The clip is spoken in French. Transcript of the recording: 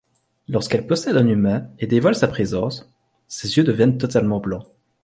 Lorsqu'elle possède un humain et dévoile sa présence, ses yeux deviennent totalement blancs.